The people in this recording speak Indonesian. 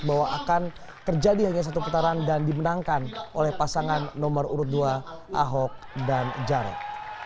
bahwa akan terjadi hanya satu putaran dan dimenangkan oleh pasangan nomor urut dua ahok dan jarot